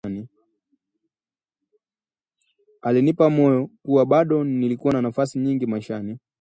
Alinipa moyo kuwa bado nilikua na nafasi nyingi maishani